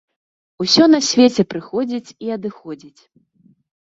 Усё на свеце прыходзіць і адыходзіць.